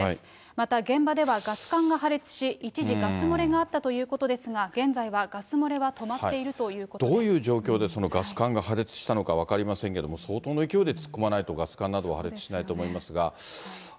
また、現場ではガス管が破裂し、一時ガス漏れがあったということですが、現在はガス漏れは止まっどういう状況で、そのガス管が破裂したのか分かりませんけども、相当の勢いで突っ込まないと、ガス管などは破裂しないと思いますが。